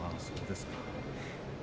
そうですね。